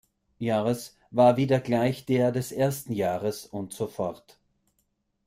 Jahres war wieder gleich der des ersten Jahres, und so fort.